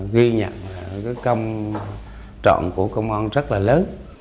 ghi nhận cái công trọn của công an rất là lớn